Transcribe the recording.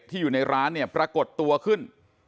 เด็กที่อยู่ในร้านเนี่ยปรากฏตัวขึ้น